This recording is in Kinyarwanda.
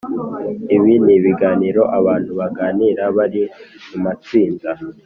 ibi ni biganiro abantu baganira bari mu matsinda